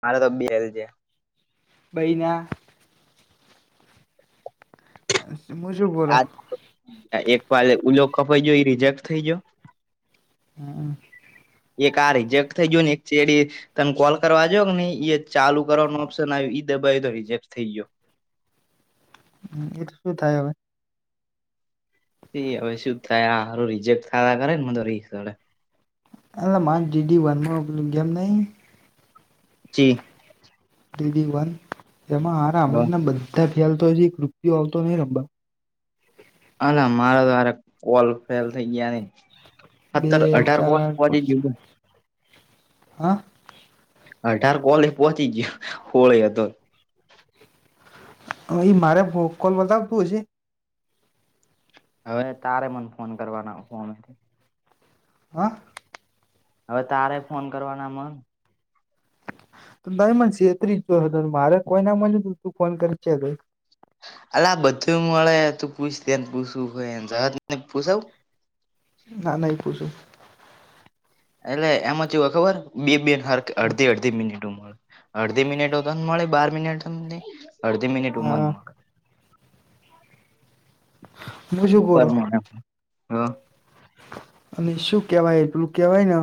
મારે તો બેલ છે. ભૈના સમુજી બોલો આ એક વાલે ઉલો કપાઈ ગો એ રિજેક્ટ થઇ જયો હ. એક આ રિજેક્ટ થઈ ગયું ને એક ચેડી તમે કોલ કરવાજો કે નહી એ ચાલુ કરવાનું ઓપ્શન આવ ઈ દબાવ તો રિજેક્ટ થઈ ગયો હ એ તો શું થાય હવે એ હવે શું થાયારું રિજેક્ટ થા કરે ને મ રડે એલે મા ડીડી વનમાંલ ગમ નહીં ચી દીદી વન એમાં હ આમ ના બધા ફેલતો છે કૃપયો આવતો નઈ રા હ ના મારા તો કોલ ફેલ થઈ ગયા ને બે હત્તર અઢાર ચાર પોવા જીવ હા. અઢાર કોલે પહોંચી ગયો હોળી હતો. મારે કોલ બતાવતું હજી. હવે તારે મને ફોન કરવાના ફમે. હાં હવે તારે ફોન કરવાના આમા તાય ન મને છેતરી હતો મારે કોઈ ના મ્યું તું તું ફોન કરી છે અલા આ બધું મળે તું પૂછ દેને પૂછવું હોય જત પૂછવ ના નાહી પૂછું એટલે એમાંથી ખબર બે બે અડધી અડધી. ધી મિનિટ મળે અડધી મિનિટો ત મળે બાર મિનિટ. અડધી મિનિટ ઉમર હા માગે. હું શું બોલો મા હા. અને શું કેવાય એટલું કેવાય ને,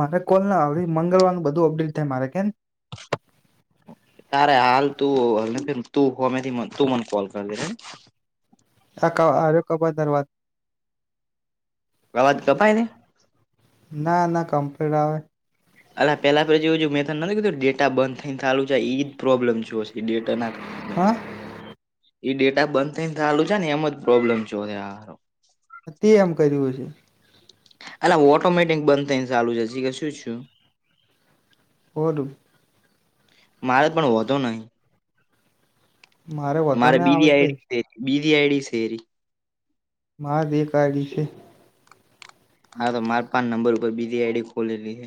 મારે કોલ ના આવડી મંગળવાર ન બધું અપડેટ થાય મારે કેને. તારે હાલ તું તુંમેથી તું મને કોલ કરી લેે. આ્યો કબર ધરવા કવાત કપાઈ ને. ના ના કમ્પ્લીટ આવે. અ પેલા પછી એું મેથડ નથી કધું ડેા બંધ થઈને ચાલુ છે એ જ પ્રોબ્લેમ જો હશે. ડેટા નાખ [unintelligible] હા ઈ ડેટા બંધ થઈ ને ચાલુ છે ને એમ જ પ્રોબ્લેમ જોર. તે એમ કર્યું હ છે. એટ ઓટોમેટિક બંધ થઈ ને ચાલુ જ જી કે શું. વલું. મારે પણ વધો નહી. વધો મારે ના બીજી આવત ભાઈ એડીરી બીજી આડી શેરી. મા દેડી છે. હા તો મારે પાંચ નંબર ઉપર બીજી આઈડી ખોલેલી છે.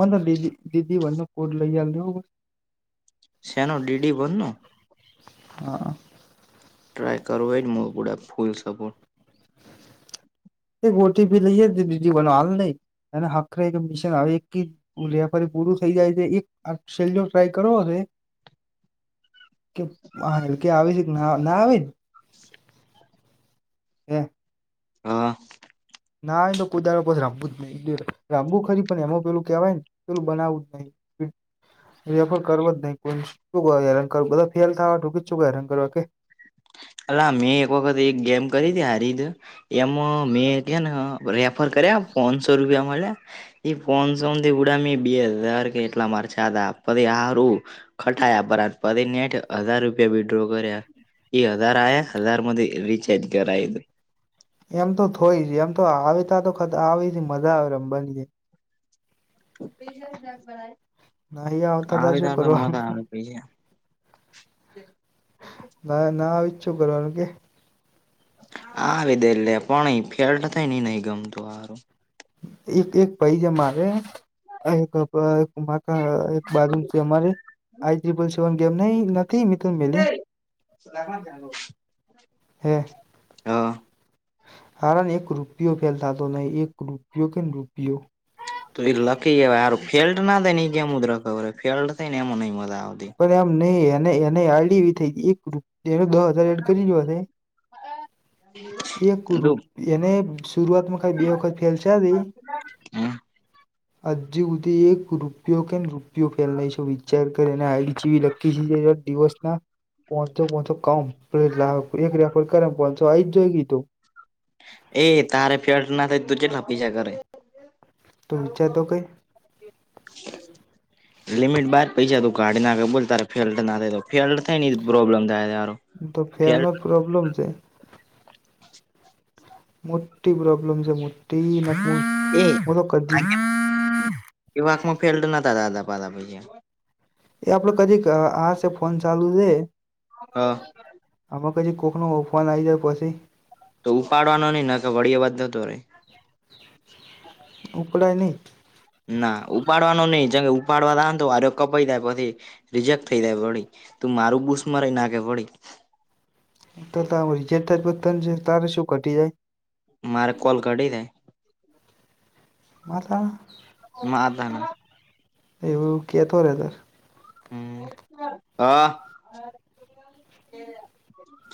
મને દીદી દીદી ભનને ફોટ લઈહાલ દ હો બસ. સનો ડી ડી વન ન. હા. ટ્રાય કર હો એ પુડા ફૂલ સપર્ટ. એ ટી પી લઈ દીજી બવાલ નહી, એ આખરે મિશન આવે એક રેફરી પૂરું થઇ જાય છે એક આ સેલ ટ્રાય કરો હશે. [inaudible] કે હ એલકે આવે છે કે ના ના આવે. એ હા. ના એ તો કોદારો પા રામવું જ નહી રામવું ખરી પણ એમ પેલું કેહેવાય, ને પેલું બનાવું જ નહી. હમ. રેફર કરવો જ નહી કો શું હે કરું બધા ફેલ થકી શું હેરાન કરવા કે. અલા મેં એક વખત એક ગેમ કરી હતી હારી દું. એમાં મેં કેને રેફર કર્યા પોનસો રૂપિયા મળ્યા. એ ફંસોથી ગડા મ બે હજાર કે એટલા મારચ હતાા પદ આરુ. ખટાયા પરરા પરી ને હઠ હજાર રૂપિયા વિડ્રો કર્યા. એ હજાર આ હજાર મધ રિચાર્જ કરાઈ દીધું. એમ તો થય જ એમ તો આવે ત તો આવી મજા આવેમ બનીય. નહી આવતા ત આવે શું તાર તો કરવાનું મજા આવે. પી છે [unintelligible] ના ના આવી જ છું કરવાનું કે. હ દે પણ ફેલ થાય નઈ નહી ગમતુ, સારુ એક એક પાઈ છે, મારે એક એક બાજુ અમા આપલ સેવ ગમ ત મ મલી હે હા. કારણ એક રૂપિયો ફ થતો નહી એક રૂપિયો કેને રૂપિયો. તો એ લખી ગારું ફેલ્ડ ના થાય એ ગેમ જ રખ ફેલ્ડ થઈ ને એમાં નઈ મજા આવતી. પણ આમ નહી એને એને આડી એવી થઈ એક રૂ એ દ હજાર એડ કરી જોવા. એક તું એને શરૂઆતમાં ખલી બે વખત ફેલ છે રઈ. આજ સુધી એક રૂપિયો કેન રૂપિયો ફેલાનાઈ છે વિચાર કરે અને આજી વિલખ દિવસ ના પસોસો કમ પ લાખ એક રેફર કરેચસો આ જ જોઈ ગય તુ એ તારે ફેટ ના થાય તું જેટપી છે, ઘરે તો વિચારતો કે [inaudible] લિમિટ બાર પૈસા તું કાઢ નાખે બોલ ત ફેલ્ટ ના થાય તો ફેલ થાય ને પ્રોબ્લેમ થાય તારુ તો ફેરનો પ્રોબ્લેમ છે. મોટી પ્રોબ્લેમ છે, મોટી એ મો તો કદી એ વાકમાં ફેડ, નતા દાદા પાા પ એ આપડો કદી આશે ફોન ચાલુ છેે. હા આમાં પછી કોકનો ઓફન આવી જાય પછી તો ઉપાડવાનો નહી ના કે વળી અવાજ નતો રહેે. ઉપકડાય ન ના ઉપાડવાનું નઈ જ ઉપાડવા ત તો આ કપાઈાય પછી. રિજેક્ટ થઈ જાય વળી તું મારું બૂસ મારી નાખે વળી ત રીજેટ થ જ ત તારે શું ઘટી જાય. મારે કોલ કઢ થાય માથ મા તને એવું કહેતો રે સર હા.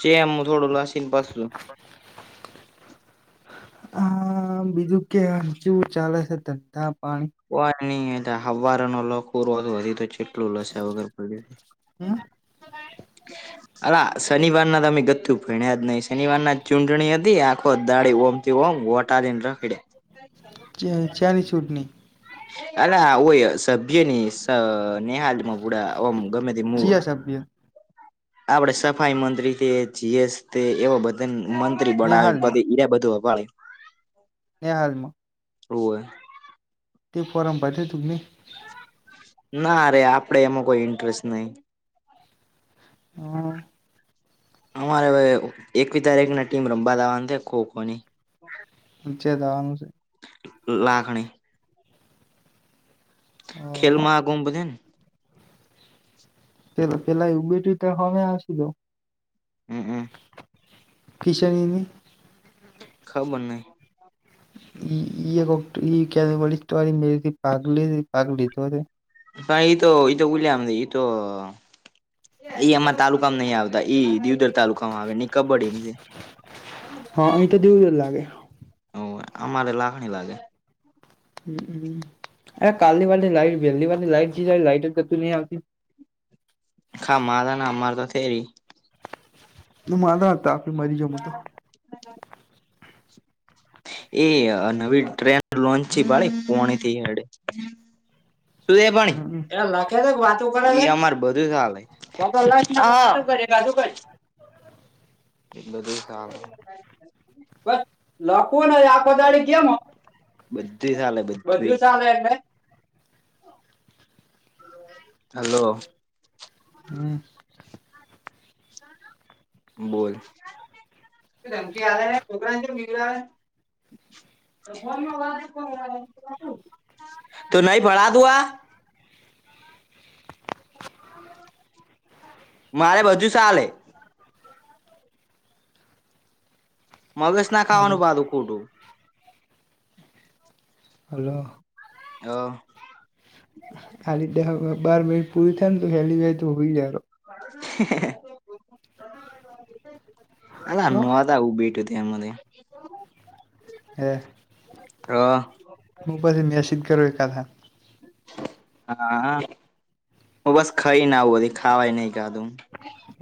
ચેમ થોડું લશિન પાછ પતા હા બીજું કેમ કેવું ચાલે છે, ધંધા પાણી હો નહી હ નર વધી તો છે. લા સ વગર પ હમ અરા શનિવારના તમે ગથ્થ ભણ્યા જ નહી શનિવાર ના ચૂંટણી હતી આખો દાડીી ઓમ તે હો ગોટા દન ર ખિડ્યા અચા ચ ચની ચૂટની અ ઓય સભ્યની નેહાાલમાં પુડા ગમે, તે શબ્ય આપડે સફાઈ મંત્રી જીએસ એવા બધા મ બના પ નેહાલમાં રા બધું વાડે યા હાલમાં ઓવ હ એક ફોરામ પાથી દુગને ના અરે આપડે એમાં કોઈ ઇન્ટરેસ્ટ નહી. હા અમારે હ એકવી તારીખ ના ટીમ રમવા આવવાની છે, ખોખો ની પંચાયત આવાનું શે લાખણી ખેલમહાકુંભ છે ને પેલા પેલા ઉટ ત હમે હસી દ હમ હમ ખિષણીની ખા બનના એ કે વળરી મે પગલી પગલી ત પણ એ તો ઈ તો બલીમને ઈ તો ઈ અમારા તાલુકામાં નહ આવતા ઈ દીવદર તાલુકામાં આવે ની કબડી હા અહીં તોદીવ જ લાગે ઓ અમારે લાગણી લાગે હ હમ એ કાલની [unintelligible] હા માલના અમાર તો થે રી નું માધા તાપ મરી જ મુતો એ નવી ટ્રેન લોન્ચ થ બાડી પોણી થીડે સુ એ પાણી હમ [unintelligible] [unintelligible] બધી ચાલે બધી હલો હમ બોલ [unintelligible] તો નહી ભડા ડદુઆ મારે બધુ ચાલે મગજ ના હલો ખાવાનું પાધું ખોટું હલો હ ખાલી [unintelligible] હ [unintelligible] તા ઉભી ત થેમને હ હ હું પસી મેસેજ કરું કાકા હા હા હું બસ ખાઈને આવું ખાવાય નહી ખાધું.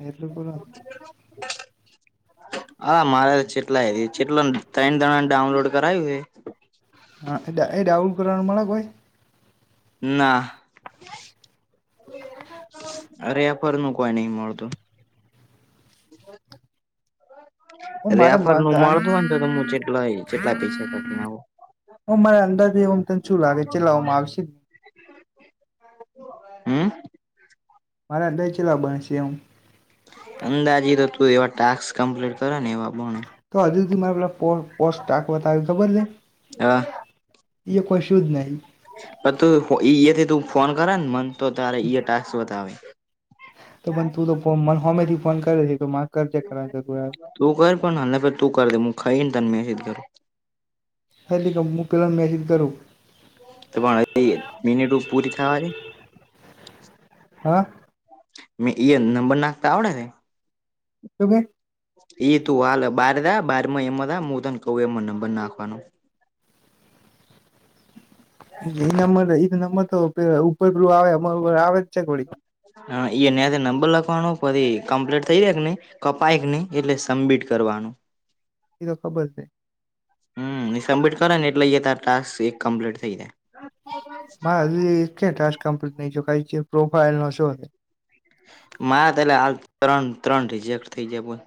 એટલો કોલા [inaudible] આં મારા ચેટલાય ચેટલો ન ત્રણ જણાને ડાઉનલોડ કરાયવું હે હા એ ડાઉડ કરવાનું મળે કોઈ ના અરે એ ફર નું કોઈ નઈ મળતું. ઓ મારે રેફર નું માનતા મળતું હોને તો તો મુ જેટલું હાઈ જેટલા પૈસા કાઢી નાખું હું મારા અંદાજે એમ તને શું લાગે ચલાવામાં આવશે. હમ મારા દય ચલા બણશે એમ અંદાજી થતું હોય એવા ટાસ્ક કમ્પ્લીટ કરો ને એવા બોન તો હજુ સુધી મારે પેલા પોસ્ટાકવાતા આવી ખબર ને હા એ કશું જ નહીં પણ તું ઈથી તું ફોન કરે ને મને તો તારે ટાસ્ક બતાવે, તો પણ તું તો મને હોમે થી ફોન કરે [unintelligible] તું કર પણ હનેપે તું કર દે હું ખાઈ ને તને મેસેજ કરું. હેલી ક હું પહેલાને મેસેજ કરું તો પણ તી મિનિટ પૂરી થવાની હા મેં એ નંબર નાખતા આવડે ને તું કે એ તું હાલ બાર દા બાર માં એમાંજા હુ તને કવ એમા નંબર નાખવાનો. એ નંમર એ નંબર તો ઉપર આવે આવે જ છે, ઘોડી હા ન્યાથી નંબર લખવાનો પછી કમ્પ્લીટ થઇ જ કે નહી. કપાય નહી એટલે સમબમિટ કરવાનું, એ તો ખબર છે, હમ્મ એ સબમિટ કરે ને એટલે અહીયા તા ટાસ્ક એક કમ્પ્લીટ થઇ જાય. મારે હજુ કયા ટાસ્ક કમ્પ્લીટ નહી જો પ્રોફાઈલ નો શો મારે એલા હાલ ત્રણ ત્રણ રિજેક્ટ થઈ જયા બોલ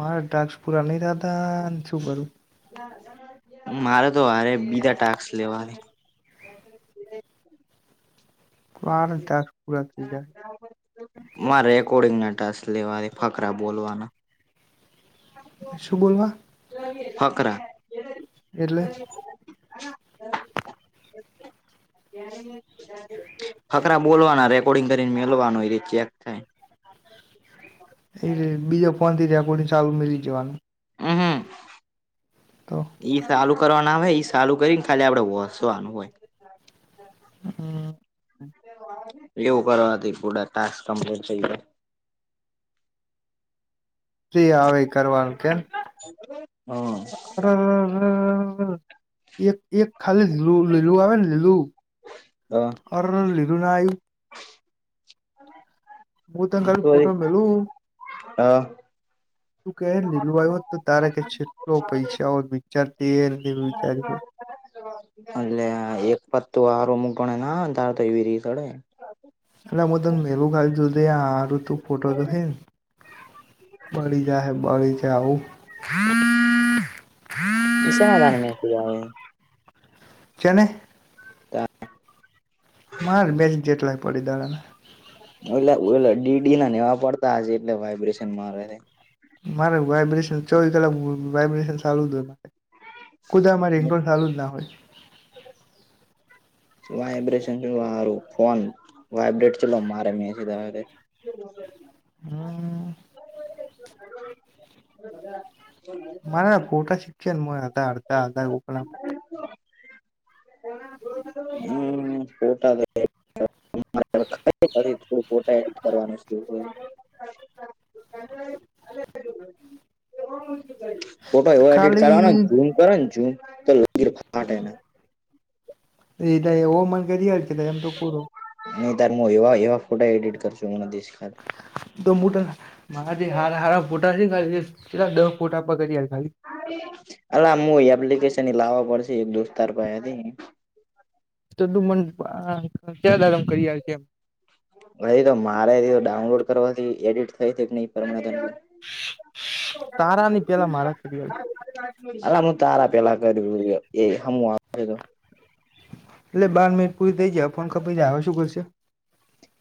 મારા ટાસ્ક પૂરા નહી થાતાં ને શું કરું. મારે તો હરે બીજા ટાસ્ક લેવાની મારે ટાસ્ક પુરા થઈ ગયા મારે રેકોર્ડિંગ ના ટાસ લેવાહે ફકરા બોલવાના શુ બોલ [unintelligible] ફકરા એટલે ફકરા બોલવાના રેકોર્ડિંગ કરીને મેલવાનું એ રીતે ચેક થાય. એ બીજા ફોન થી રેકોડિઁગ ચાલુ મેલી જવાનું. હમ્મ હ તો ઈ ચાલુ કરવા ના આવે ચાલુ કરીને ખાલી આપડે વોસવાનું હોય. [inaudible] એવું કરવાથી પૂડા ટાસ્ક કમ્પ્લીટ થઇ જાય, જી આવે ઈ કરવાનું કેમ હમ્મ [unintelligible] એક એક ખાલી લું લીલું આવે ને લીલું હા [unintelligible] લિલુ ના આયુ હું તને તો ખાલી હ ફોટો મેલું તું કે લીલું હોત તો તારે કે છેટલો પૈસા હો વિચારતી વિચાર્યું હોય, અટલે એક પતુ આર મુગ્ણાના આવે, [unintelligible] એલા હું તને એલું ખાલ છુધ મારું તું ફોટો તો છે ને મળી જાય હે [unintelligible] જાય આવું સેના તનું મે જ તુ આવે, છે ને તા મારે મેજ જેટલાઈ પડીદરાના ઓલા ઓલા ડીડી ના નેવા પડતા હજે એટલે વાયબ્રેશન મારે હે, મારે વાયબ્રેશન ચોવી કલાક વાયબ્રેશન ચાલુ હોય મારે ખુદા અમારી [unintelligible] છે ઇંગોલ ચાલુ જ ના હોય વાઇબ્રેશન સારું ફોન વાઇબ્રેટ ચલો મારે મે [unintelligible] હા [inaudible] [unintelligible] મારે ફોટા શીખયા મારાં આધા અધા આધા [unintelligible] હમ પોટ [unintelligible] પછ [unintelligible] થોડું પોટા એડ કરવાનું છે. ફોટો એવો એડિટ ખાલી કરવાનોન જૂન [unintelligible] ફાટાયના [unintelligible] ઓમન કરી ક એમ તો પૂરો હુ તાર હું એવા એવા ફોટા એડિટ કર છું મને દસ દમ્બુટ [unintelligible] મારા જે હાર હાર ફૂટા છે ખાલીલા દ ફૂટા પગડીયા ખાલી. અમ એપ્લિકેશન લાવવા પડશે એક દોસ્તાર પાયાથી. હ [inaudible] તો તું મન કદારમ કરી છે એમ. હ તો મારે ડાઉનલોડ કરવાથી એડિટ થઈ નહી પર. તારાની પેલા મારા કરીયાળ. અલામું તારા પેલા કર્યું એ હ [unintelligible] એટલે બાર મિનિટ પૂરી થઈ જાય ફોન ખપી જાય આવે શું કરશે?